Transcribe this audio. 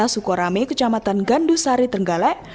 sukorame kecamatan gandusari tenggala